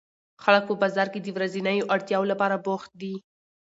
خلک په بازار کې د ورځنیو اړتیاوو لپاره بوخت دي